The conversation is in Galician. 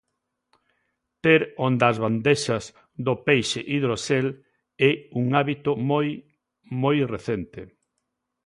Ter onda as bandexas do peixe hidroxel é un hábito moi, moi recente.